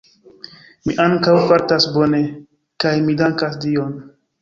Mi ankaŭ fartas bone, kaj mi dankas Dion.